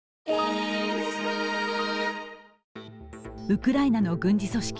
ウクライナの軍事組織